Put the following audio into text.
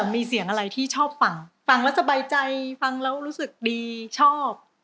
มีเสียงอะไรที่ชอบฟังฟังแล้วสบายใจฟังแล้วรู้สึกดีชอบ